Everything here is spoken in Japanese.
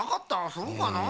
そうかなあ。